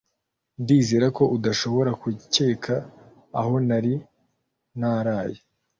Ndizera ko udashobora gukeka aho nari naraye